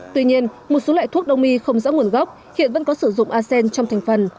tuy nhiên một số loại thuốc đông y không rõ nguồn gốc hiện vẫn có sử dụng asean trong thành phần